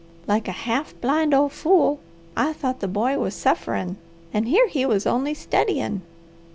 Like a half blind old fool I thought the boy was sufferin', and here he was only studyin'!